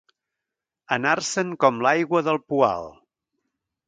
Anar-se'n com l'aigua del poal.